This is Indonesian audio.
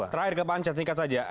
terakhir ke pancet singkat saja